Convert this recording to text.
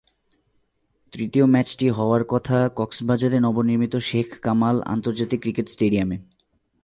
তৃতীয় ম্যাচটি হওয়ার কথা কক্সবাজারে নবনির্মিত শেখ কামাল আন্তর্জাতিক ক্রিকেট স্টেডিয়ামে।